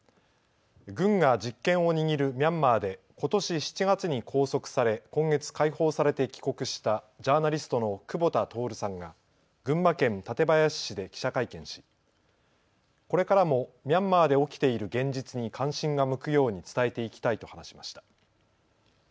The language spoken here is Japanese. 軍が実権を握るミャンマーでことし７月に拘束され今月解放されて帰国したジャーナリストの久保田徹さんが群馬県館林市で記者会見しこれからもミャンマーで起きている現実に関心が向くように伝えていきたいと話しました。